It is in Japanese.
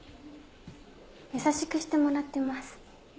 優しくしてもらってます。